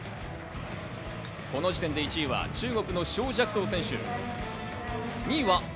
この時点で１位は中国のショウ・ジャクトウ選手。